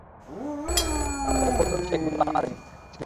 যাওয়ার পথে কৌতূহলবশত একটু ঘুরে বাংলাদেশ বেতার কেন্দ্রের পাশ দিয়ে গেলাম।